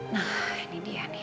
nah ini dia nih